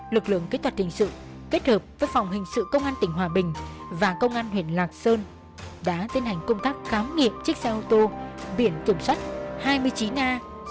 lực lượng kế toật hình sự kết hợp với phòng hình sự công an tỉnh hòa bình và công an huyện lạc sơn đã tiến hành công tác khám nghiệm chiếc xe ô tô biển tưởng xuất hai mươi chín a sáu mươi hai nghìn hai trăm chín mươi chín